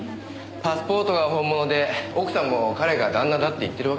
パスポートが本物で奥さんも彼が旦那だって言ってるわけですし。